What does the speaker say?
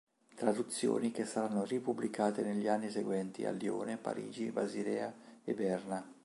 Traduzioni che saranno ripubblicate negli anni seguenti a Lione, Parigi, Basilea e Berna.